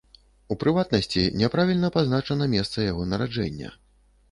У прыватнасці, няправільна пазначана месца яго нараджэння.